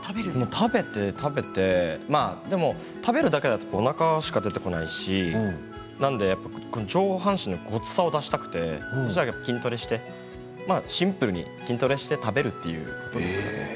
食べて食べてでも食べるだけだとおなかしか出てこないしなので上半身のごつさを出したくて筋トレをしてシンプルに筋トレをして食べるということでしたね。